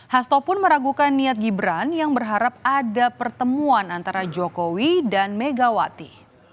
hasto pun meragukan niat gibran yang berharap ada pertemuan antara jokowi dan megawati